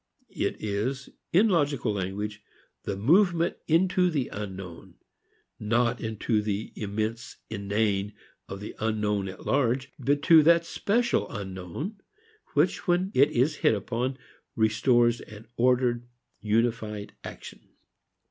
It is, in logical language, the movement into the unknown, not into the immense inane of the unknown at large, but into that special unknown which when it is hit upon restores an ordered, unified action.